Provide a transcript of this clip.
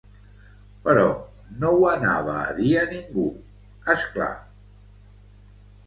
Però, no ho anava a dir a ningú, és clar.